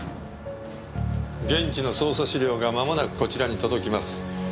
現地の捜査資料がまもなくこちらに届きます。